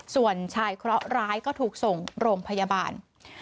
ส่วนชายเคราะหร้ายก็ถูกส่งโรงพยาบาล